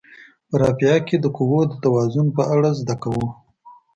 په رافعه کې د قوو د توازن په اړه زده کوو.